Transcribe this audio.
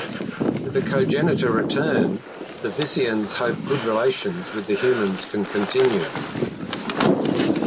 With the cogenitor returned, the Vissians hope good relations with the humans can continue.